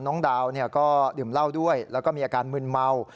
น้องดาวก็ดื่มเหล้าด้วยแล้วก็มีอาการมึนเมา